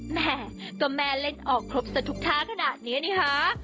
แม่ก็แม่เล่นออกครบสักทุกท่าขนาดนี้นะคะ